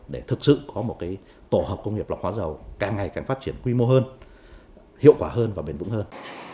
để thực sự có một tổ hợp công nghiệp lọc hóa dầu càng ngày càng phát triển quy mô hơn hiệu quả hơn và bền vững hơn